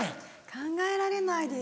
考えられないです。